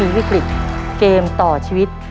วิกฤตเกมต่อชีวิต